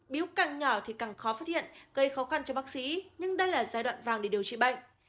biếu càng nhỏ thì càng khó phát hiện gây khó khăn cho bác sĩ nhưng đây là giai đoạn vàng để điều trị bệnh